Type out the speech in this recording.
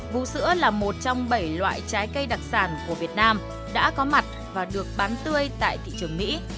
vú sữa là một trong bảy loại trái cây đặc sản của việt nam đã có mặt và được bán tươi tại thị trường mỹ